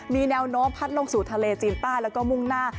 มีแนวโน้มพัดลงสู่ทะเลจีนใต้แล้วก็มุ่งหน้า